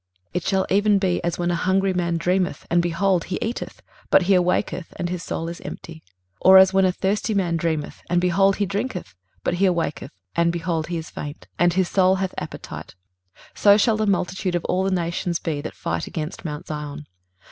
23:029:008 It shall even be as when an hungry man dreameth, and, behold, he eateth; but he awaketh, and his soul is empty: or as when a thirsty man dreameth, and, behold, he drinketh; but he awaketh, and, behold, he is faint, and his soul hath appetite: so shall the multitude of all the nations be, that fight against mount Zion.